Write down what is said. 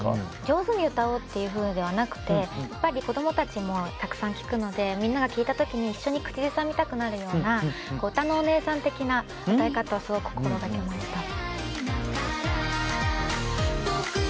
上手に歌おうっていうふうではなくてやっぱり子供たちもたくさん聴くのでみんなが聴いた時に一緒に口ずさみたくなるようなうたのお姉さん的な歌い方をすごく心掛けました。